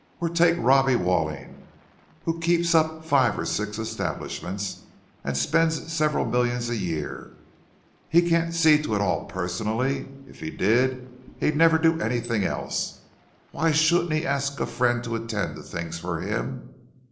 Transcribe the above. Or take Robbie Walling, who keeps up five or six establishments, and spends several millions a year. He can't see to it all personally—if he did, he'd never do anything else. Why shouldn't he ask a friend to attend to things for him?